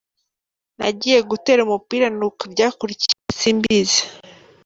"Nagiye gutera umupira nuko ibyakurikiyeho simbizi.